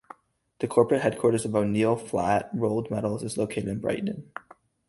The corporate headquarters of O'Neal Flat Rolled Metals is located in Brighton.